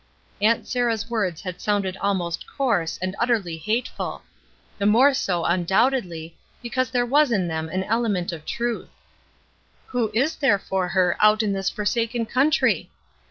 Aunt Sarah's words had sounded almost coarse, and utterly hateful; the more so, un doubtedly, because there was in them an ele ment of truth. ''Who is there for her out in this forsaken country?"